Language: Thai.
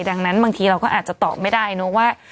ดังนั้นบางทีเราก็อาจจะตอบไม่ได้เนอะว่า